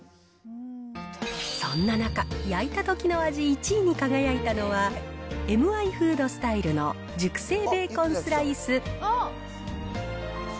そんな中、焼いたときの味１位に輝いたのは、エムアイフードスタイルの熟成ベーコンスライス。